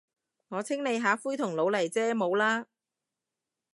我清理下灰同老泥啫，冇喇。